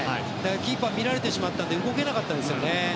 キーパーは見られてしまったので動けなかったですよね。